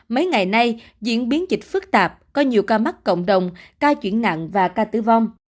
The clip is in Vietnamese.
mấy ngày nay diễn biến dịch phức tạp có nhiều ca mắc cộng đồng ca chuyển nặng và ca tử vong